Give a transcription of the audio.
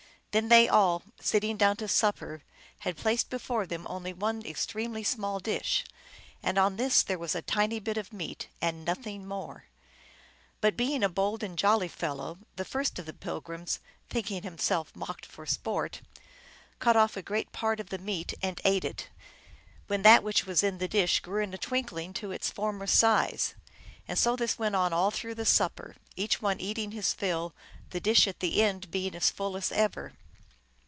Then they all, sitting down to supper, had placed before them only one extremely small dish, and on this there was a tiny bit of meat, and nothing more. But being a bold and jolly fellow, the first of the pilgrims, thinking himself mocked for sport, cut off a great part of the meat, and ate it, when that which was in the dish grew in a twinkling to its former size; and so this went on all through the supper, every one eating his fill, the dish at the end being as full as ever.